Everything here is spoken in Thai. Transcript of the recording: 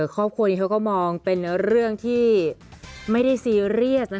ครอบครัวนี้เขาก็มองเป็นเรื่องที่ไม่ได้ซีเรียส